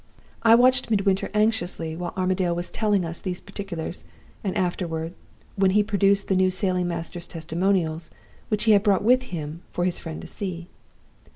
"I watched Midwinter anxiously, while Armadale was telling us these particulars, and afterward, when he produced the new sailing master's testimonials, which he had brought with him for his friend to see.